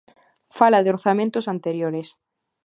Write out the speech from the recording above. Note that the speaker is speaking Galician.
Fala de orzamentos anteriores.